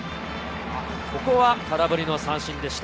ここは空振りの三振でした。